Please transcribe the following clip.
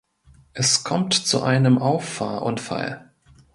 Es kommt zu einem Auffahrunfall.